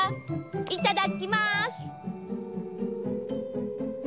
いただきます！